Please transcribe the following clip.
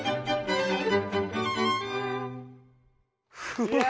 うわ！